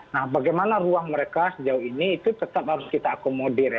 nah bagaimana ruang mereka sejauh ini itu tetap harus kita akomodir ya